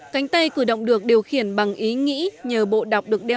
cánh tay cử động được điều khiển bằng ý nghĩ nhờ bộ đọc được đem ra